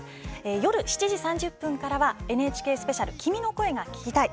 夜７時３０分からは「ＮＨＫスペシャル君の声が聴きたい」。